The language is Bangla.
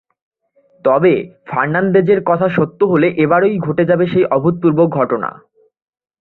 তবে ফার্নান্দেজের কথা সত্য হলে এবারই ঘটে যাবে সেই অভূতপূর্ব ঘটনা।